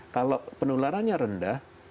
kalau penularannya rendah